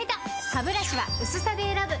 ハブラシは薄さで選ぶ！